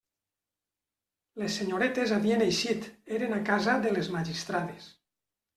Les senyoretes havien eixit; eren a casa de «les magistrades».